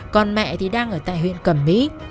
còn mẹ thì đang ở tại huyện cẩm mỹ